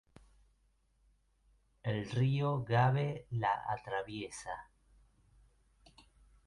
El río Gave la atraviesa.